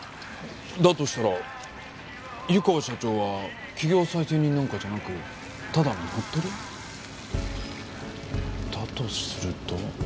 としたら湯川社長は企業再生人なんかじゃなくただの乗っ取り屋？だとすると。